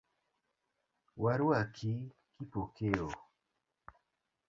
Waruaki Kipokeo.